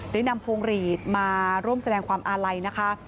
ได้นำพวงหลีดมาร่วมแสดงความอาลัยนะคะ